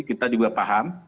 kita juga paham